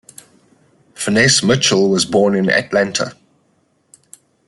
Finesse Mitchell was born in Atlanta.